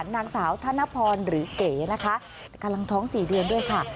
นางสาวธนพรหรือเก๋นะคะกำลังท้อง๔เดือนด้วยค่ะ